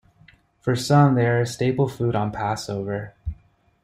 For some they are a staple food on Passover.